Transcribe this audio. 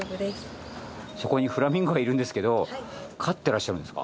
そこにフラミンゴがいるんですけど飼ってらっしゃるんですか？